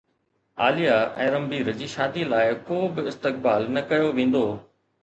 عاليا ۽ رنبير جي شادي لاءِ ڪو به استقبال نه ڪيو ويندو